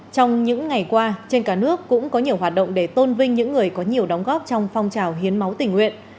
trong những ngày qua trên cả nước cũng có nhiều hoạt động để tôn vinh những người có nhiều đóng góp trong phong trào hiến máu tình nguyện